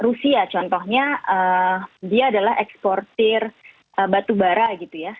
rusia contohnya dia adalah eksportir batubara gitu ya